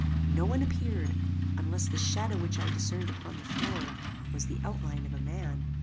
No one appeared, unless the shadow which I discerned upon the floor, was the outline of a man.